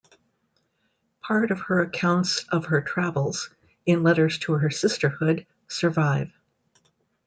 Part of her accounts of her travels, in letters to her sisterhood, survive.